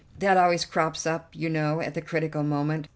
That always crops up, you know, at the critical moment.